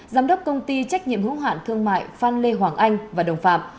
giám đốc công ty trách nhiệm hữu hạn thương mại phan lê hoàng anh và đồng phạm